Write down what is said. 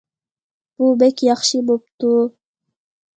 بۇ بەك ياخشى بوپتۇ.